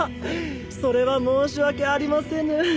それは申し訳ありませぬ。